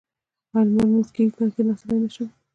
ایا زما لمونځ کیږي که کیناستلی نشم؟